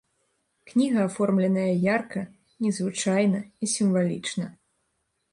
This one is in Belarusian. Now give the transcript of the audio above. Кніга аформленая ярка, незвычайна і сімвалічна.